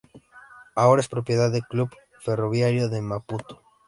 Ahora es propiedad de Clube Ferroviario de Maputo.